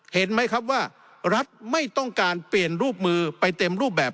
เห็นไหมครับว่ารัฐไม่ต้องการเปลี่ยนรูปมือไปเต็มรูปแบบ